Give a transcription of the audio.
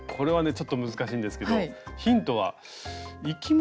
ちょっと難しいんですけどヒントは生き物。